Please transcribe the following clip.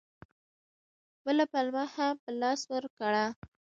بله پلمه هم په لاس ورکړه.